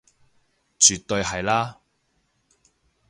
絕對係啦